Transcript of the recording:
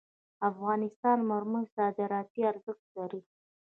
د افغانستان مرمر صادراتي ارزښت لري